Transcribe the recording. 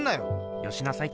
よしなさいって。